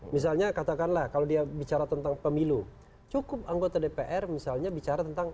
misalnya katakanlah kalau dia bicara tentang pemilu cukup anggota dpr misalnya bicara tentang